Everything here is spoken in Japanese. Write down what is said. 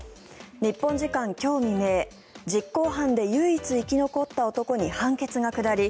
日本時間今日未明実行犯で唯一生き残った男に判決が下り